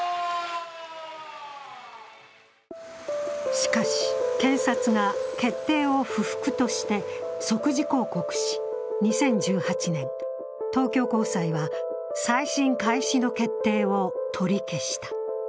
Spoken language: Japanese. しかし、検察が決定を不服として即時抗告し、２０１８年、東京高裁は再審開始の決定を取り消した。